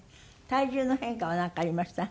体重の変化はなんかありました？